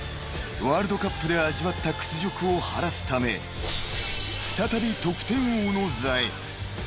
［ワールドカップで味わった屈辱を晴らすため再び得点王の座へ］